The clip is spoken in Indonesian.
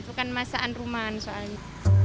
itu kan masaan rumahan soalnya